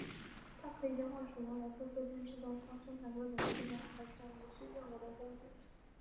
它可以交换使用来自各间制造商生产各种的部件而且无需任何的工具。